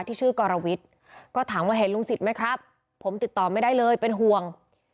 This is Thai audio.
ที่ชื่อกรวิทย์ก็ถามว่าเห็นลุงศิษย์ไหมครับผมติดต่อไม่ได้เลยเป็นห่วง